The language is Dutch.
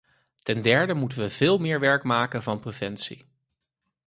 Ten derde moeten we veel meer werk maken van preventie.